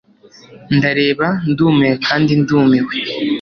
ndareba ndumiwe kandi ndumiwe